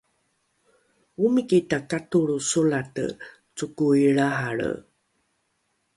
omiki takatolro solate cokoi lrahalre